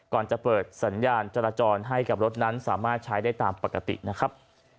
ก่อนจะเปิดสัญญาณจราจรให้กับรถนั้นสามารถใช้ได้ตามปกตินะครับ